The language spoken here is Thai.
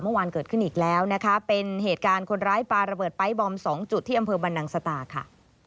เมื่อวานเกิดขึ้นอีกแล้วนะคะเป็นเหตุการณ์คนร้ายปลาระเบิดไป๊บอม๒จุดที่อำเภอบรรนังสตาค่ะ